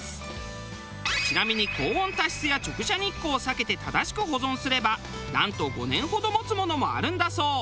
ちなみに高温多湿や直射日光を避けて正しく保存すればなんと５年ほど持つものもあるんだそう。